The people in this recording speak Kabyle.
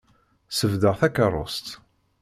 Ssebded takeṛṛust.